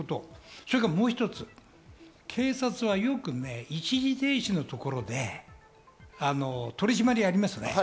それからもう一つ、警察はよく一時停止のところで取り締まりやりますね。